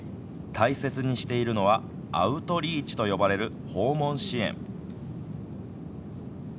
大切にしているのはアウトリーチと呼ばれる訪問支援。